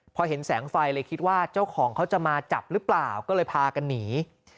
พอเห็นแสงไฟเลยคิดว่าเจ้าของเขาจะมาจับหรือเปล่าก็เลยพากันหนี